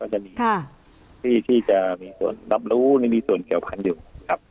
จะมีที่จะมีส่วนรับรู้หรือมีส่วนเกี่ยวพันธุ์อยู่ครับ